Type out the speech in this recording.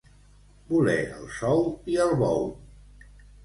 Voler el sou i el bou.